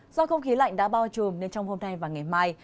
do không khí lạnh đã bao trùm nên trong hôm nay và ngày mai